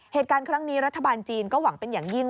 เหตุการณ์ครั้งนี้รัฐบาลจีนก็หวังเป็นอย่างยิ่ง